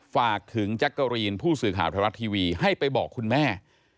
ฝากถึงแจ๊กกะรีนผู้สื่อข่าวไทยรัฐทีวีให้ไปบอกคุณแม่